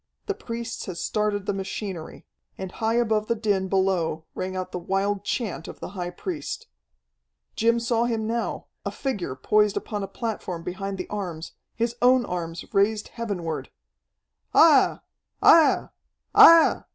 The priests had started the machinery. And high above the din below rang out the wild chant of the high priest. Jim saw him now, a figure poised upon a platform behind the arms, his own arms raised heavenward. "Aiah! Aiah! Aiah!"